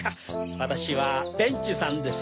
わたしはベンチさんです。